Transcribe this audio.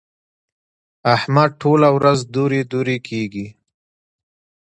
احمد ټوله ورځ دورې دورې کېږي.